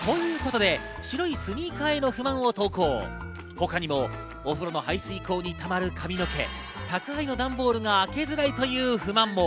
他にもお風呂の排水溝にたまる髪の毛、段ボールが開けづらいという不満も。